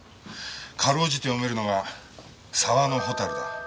かろうじて読めるのが「沢の蛍」だ。